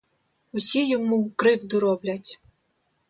Усі йому кривду роблять.